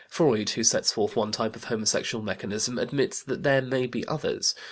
Freud, who sets forth one type of homosexual mechanism, admits that there may be others.